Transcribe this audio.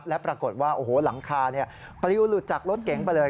และปรากฏว่าโอ้โหหลังคาปลิวหลุดจากรถเก๋งไปเลย